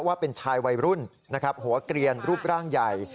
ว่าเป็นชายวัยรุ่นนะครับหัวเกลียนรูปร่างใหญ่